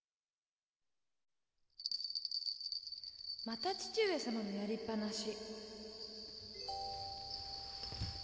また父上様のやりっぱなし。